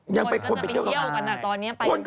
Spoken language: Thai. คนก็จะไปเที่ยวกันนะตอนนี้ไปอย่างเต็ม